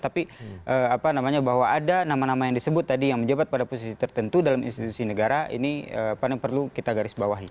tapi apa namanya bahwa ada nama nama yang disebut tadi yang menjabat pada posisi tertentu dalam institusi negara ini paling perlu kita garis bawahi